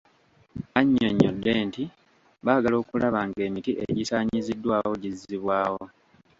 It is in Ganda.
Annyonnyodde nti baagala okulaba ng'emiti egisaanyiziddwawo gizzibwawo.